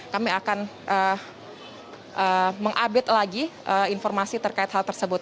kami akan meng update lagi informasi terkait hal tersebut